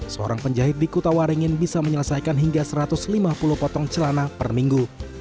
seorang penjahit di kutawaringin bisa menyelesaikan hingga satu ratus lima puluh potong celana per minggu